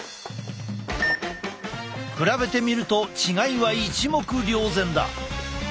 比べてみると違いは一目瞭然だ！